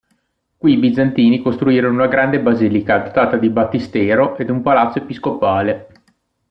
Qui i bizantini costruirono una grande basilica, dotata di battistero, ed un palazzo episcopale.